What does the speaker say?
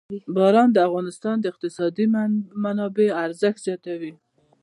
باران د افغانستان د اقتصادي منابعو ارزښت زیاتوي.